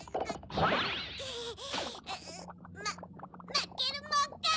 まけるもんか！